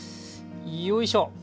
よいしょ。